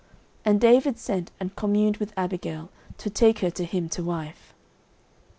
And David sent and communed with Abigail, to take her to him to wife.